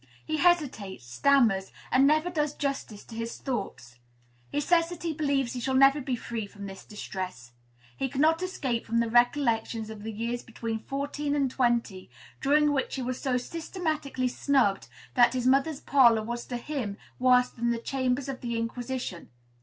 He hesitates, stammers, and never does justice to his thoughts. He says that he believes he shall never be free from this distress; he cannot escape from the recollections of the years between fourteen and twenty, during which he was so systematically snubbed that his mother's parlor was to him worse than the chambers of the Inquisition.